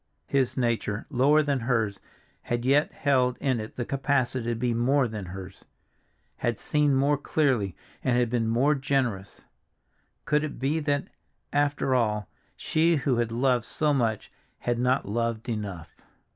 His nature, lower than hers, had yet held in it the capacity to be more than hers—had seen more clearly, and had been more generous. Could it be that, after all, she who had loved so much had not loved enough?